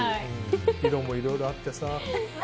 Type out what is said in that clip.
色もいろいろあってさ。